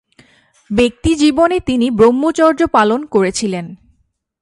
ব্যক্তিজীবনে তিনি ব্রহ্মচর্য পালন করেছিলেন।